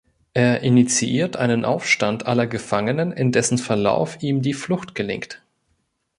Er initiiert einen Aufstand aller Gefangenen, in dessen Verlauf ihm die Flucht gelingt.